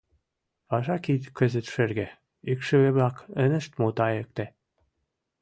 Паша кид кызыт шерге, икшыве-влак ынышт мутайыкте.